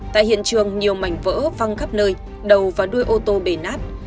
tại hiện trường nhiều mảnh vỡ văng khắp nơi đầu và đuôi ô tô bề nát